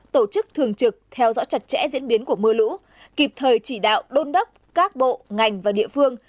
tổ chức thường trực theo dõi chặt chẽ diễn biến của mưa lũ kịp thời chỉ đạo đôn đốc các bộ ngành và địa phương